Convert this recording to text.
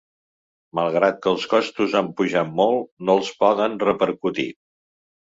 Malgrat que els costos han pujat molt, no els poden repercutir.